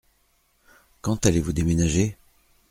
Quand allez-vous déménager ?